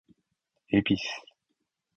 恵比寿